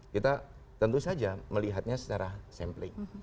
kita tentu saja melihatnya secara sampling